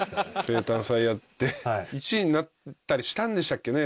生誕祭やって１位になったりしたんでしたっけね？